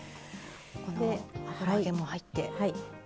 油揚げも入って。